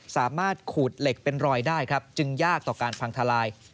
ขูดเหล็กเป็นรอยได้ครับจึงยากต่อการพังทลาย